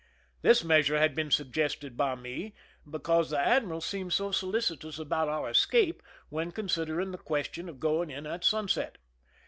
This measure had been suggested by me because the admiral seemed so solicitous about our escape when considering the question of going in at sunset.